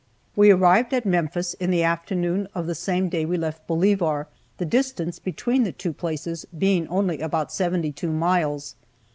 We arrived at Memphis in the afternoon of the same day we left Bolivar, the distance between the two places being only about 72 miles.